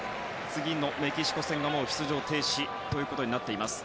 次のメキシコ戦はもう出場停止となっています。